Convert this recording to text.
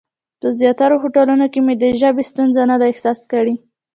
په زیاترو هوټلونو کې مې د ژبې ستونزه نه ده احساس کړې.